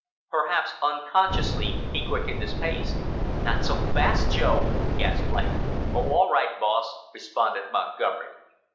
Perhaps unconsciously he quickened his pace. "Not so fast, Joe!" gasped Langham. "Oh, all right, boss!" responded Montgomery.